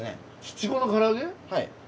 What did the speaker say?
はい。